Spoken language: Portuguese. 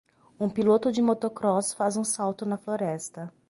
Um piloto de motocross faz um salto na floresta.